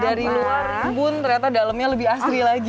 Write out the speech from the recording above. dari luar pun ternyata dalamnya lebih asri lagi